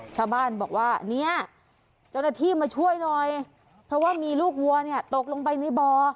ชาวบ้านบอกว่าเนี่ยเจ้าหน้าที่มาช่วยหน่อยเพราะว่ามีลูกวัวเนี่ยตกลงไปในบ่อ